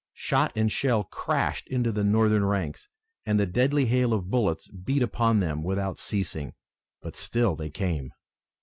Shot and shell crashed into the Northern ranks, and the deadly hail of bullets beat upon them without ceasing. But still they came.